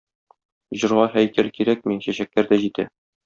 Җырга һәйкәл кирәкми, чәчәкләр дә җитә.